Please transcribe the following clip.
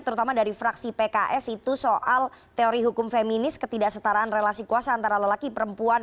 terutama dari fraksi pks itu soal teori hukum feminis ketidaksetaraan relasi kuasa antara lelaki perempuan